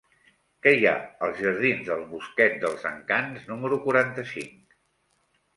Què hi ha als jardins del Bosquet dels Encants número quaranta-cinc?